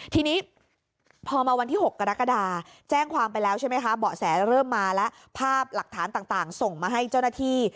ทีนี้พอมาวันที่๖กรกฎาแจ้งความไปแล้วใช่ไหมคะเบาะแสเริ่มมาแล้วภาพหลักฐานต่างส่งมาให้เจ้าหน้าที่